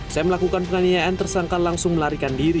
saya melakukan penganiayaan tersangka langsung melarikan diri